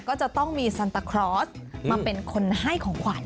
ก็จะต้องมีซันตาคลอสมาเป็นคนให้ของขวัญ